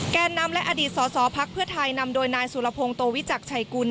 แก่นำและอดีตสอสอพักเพื่อไทยนำโดยนายสุรพงศ์โตวิจักรชัยกุล